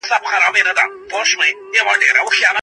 قمرګله